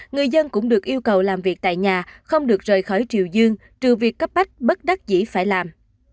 người dân cũng được yêu cầu làm việc tại nhà không được rời khỏi triều dương trừ việc cấp bách bất đắc dĩ phải làm